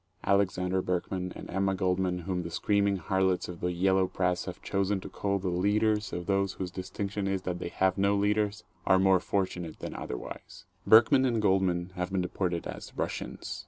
Alexander Berkman and Emma Goldman whom the screaming harlots of the yellow press have chosen to call the "leaders" of those whose distinction is that they have no leaders, are more fortunate than otherwise. Berkman and Goldman have been deported as "Russians."